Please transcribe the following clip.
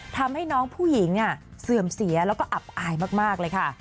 ทำให้น้องผู้หญิงเสื่อมเสียแล้วก็อับอายมากเลยค่ะ